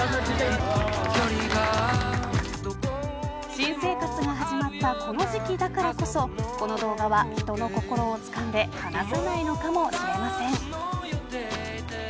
新生活が始まったこの時期だからこそこの動画は人の心をつかんで離さないのかもしれません。